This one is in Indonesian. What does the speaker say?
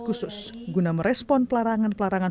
khusus guna merespon pelarangan pelarangan